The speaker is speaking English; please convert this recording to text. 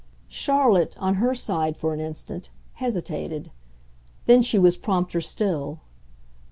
Charlotte, on her side, for an instant, hesitated; then she was prompter still.